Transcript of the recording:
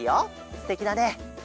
すてきだね。